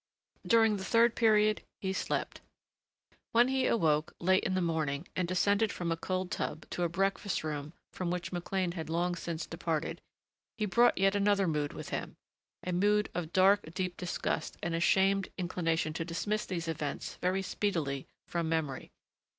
During the third period he slept. When he awoke, late in the morning, and descended from a cold tub to a breakfast room from which McLean had long since departed, he brought yet another mood with him, a mood of dark, deep disgust and a shamed inclination to dismiss these events very speedily from memory.